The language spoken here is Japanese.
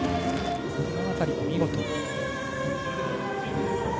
この辺りも見事。